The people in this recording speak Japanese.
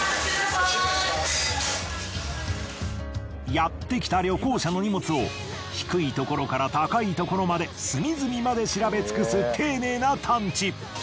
やってきた旅行者の荷物を低いところから高いところまで隅々まで調べ尽くす丁寧な探知。